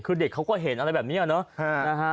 คือเด็กเขาก็เห็นอะไรแบบนี้เนอะนะฮะ